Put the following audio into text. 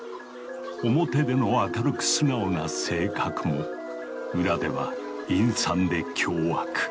表での明るく素直な性格も裏では陰惨で凶悪。